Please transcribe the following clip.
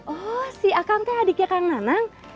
oh si akang tuh adiknya kang nanang